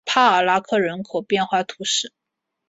于帕尔拉克人口变化图示